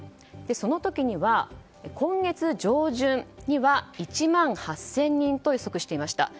その時には、今月上旬には１万８０００人と予測していました。